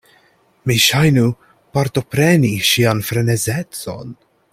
Mi ŝajnu partopreni ŝian frenezecon.